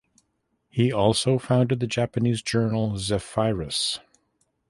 He also founded the Japanese journal "Zephyrus".